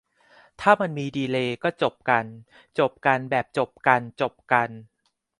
ถ้ามันมีดีเลย์ ก็จบกัน จบกันแบบจบกันจบกัน